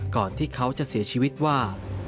ก่อนที่เขาจะเสียชีวิตว่า